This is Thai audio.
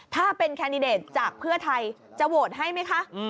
ถ้าเป็นแคนดิเดตจากเพื่อไทยจะโหวตให้ไหมคะ